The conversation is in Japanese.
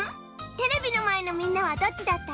テレビのまえのみんなはどっちだった？